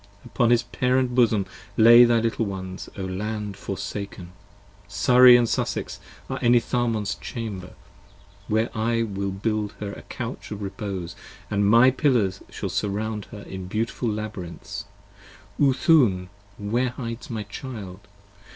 Upon his parent bosom lay thy little ones, O Land 25 Forsaken. Surrey and Sussex are Enitharmon's Chamber, Where I will build her a Couch of repose & my pillars Shall surround her in beautiful labyrinths: Oothoon? Where hides my child?